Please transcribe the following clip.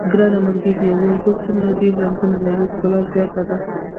ګرانه ملګریه یو ګل څومره ډېر رنګونه لري ښکلا زیاته ده.